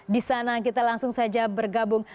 di sana kita langsung saja bergabung